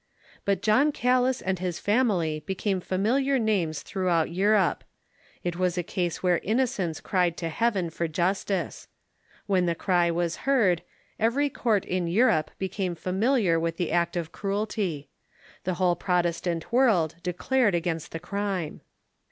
But John Calas and his family became familiar names through out Europe. It was a case where innocence cried to Heaven for justice. When the cry was heard, every court in Europe became familiar with the act of cruelty. The whole Protestant woi'ld declared against the crime.